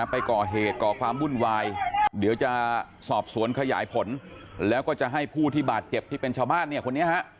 ไปก่อเหตุก่อความวุ่นวายเดี๋ยวจะสอบสวนขยายผลแล้วก็จะให้ผู้ที่บาดเจ็บที่เป็นชาวบ้านเนี่ยคนนี้ฮะ